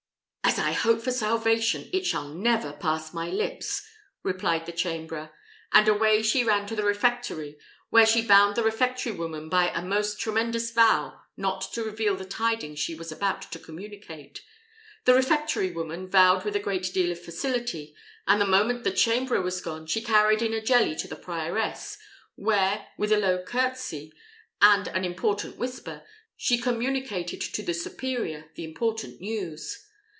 "As I hope for salvation, it shall never pass my lips!" replied the chamberer; and away she ran to the refectory, where she bound the refectory woman by a most tremendous vow not to reveal the tidings she was about to communicate. The refectory woman vowed with a great deal of facility; and the moment the chamberer was gone she carried in a jelly to the prioress, where, with a low curtsey and an important whisper, she communicated to the superior the important news.